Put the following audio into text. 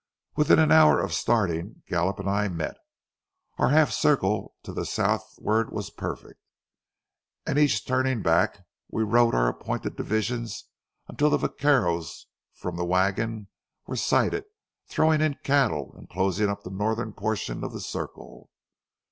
Within an hour after starting, Gallup and I met. Our half circle to the southward was perfect, and each turning back, we rode our appointed divisions until the vaqueros from the wagon were sighted, throwing in cattle and closing up the northern portion of the circle.